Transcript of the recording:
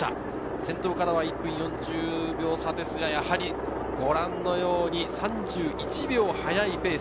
先頭からは１分４０秒差ですが、ご覧のように３１秒速いペース。